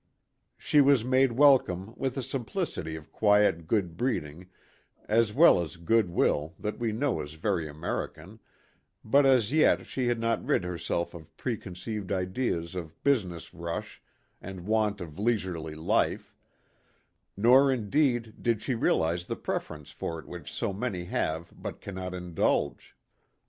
She was made welcome with a simplicity of quiet good breeding as well as good will that we know is very American, but as yet she had not rid herself of pre conceived ideas of business rush and want of leisurely life nor indeed did she realize the preference for it which so many have but cannot indulge.